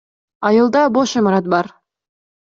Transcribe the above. Айылда бош имарат бар.